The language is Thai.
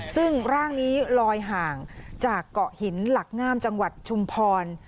ซึ่งร่างนี้ลอยห่างจากเกาะหินหลักงามจังหวัดชุมพร